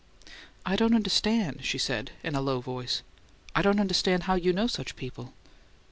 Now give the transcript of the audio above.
"I don't understand " she said in a low voice "I don't understand how you know such people."